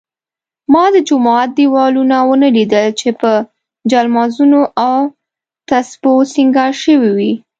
ما د جومات دېوالونه ونه لیدل چې په جالمازونو او تسپو سینګار شوي وي.